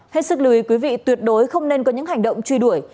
hết sức lưu ý quý vị tuyệt đối không nên có những hành động truy đuổi